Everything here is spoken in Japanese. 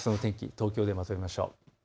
東京でまとめましょう。